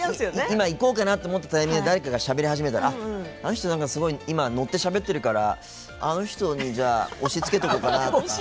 今、いこうかなと思ったタイミングで誰かが、しゃべりはじめたらあの人、すごい乗ってしゃべってるからあの人にじゃあ押し付けとこうかな。